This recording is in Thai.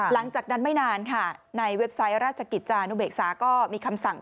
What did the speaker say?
หลังจากนั้นไม่นานค่ะในเว็บไซต์ราชกิจจานุเบกษาก็มีคำสั่ง